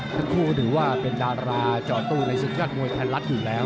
ถือว่าเป็นดาราจอตู้ในศึกยอดมวยไทยรัฐอยู่แล้ว